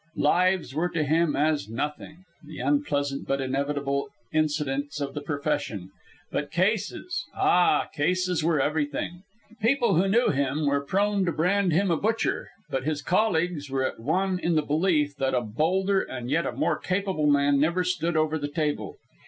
Lives were to him as nothing, the unpleasant but inevitable incidents of the profession, but cases, ah, cases were everything. People who knew him were prone to brand him a butcher, but his colleagues were at one in the belief that a bolder and yet a more capable man never stood over the table.